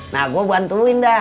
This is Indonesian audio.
nah gua bantuin dah